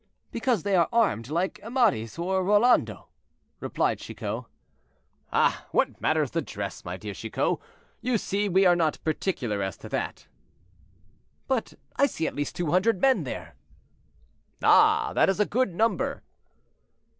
"Because they are armed like Amadis or Rolando," replied Chicot. "Ah! what matters the dress, my dear Chicot? you see we are not particular as to that." "But I see at least two hundred men there." "Ah! that is a good number."